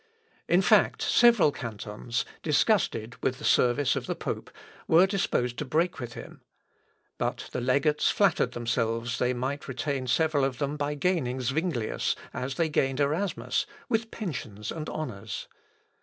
In fact, several cantons, disgusted with the service of the pope, were disposed to break with him. But the legates flattered themselves they might retain several of them by gaining Zuinglius, as they gained Erasmus, with pensions and honours.